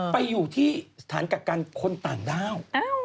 ไปอยู่ที่สถานกักกันคนต่างด้าว